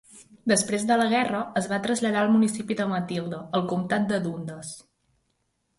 Després de la guerra, es va traslladar al municipi de Matilda, al comtat de Dundas.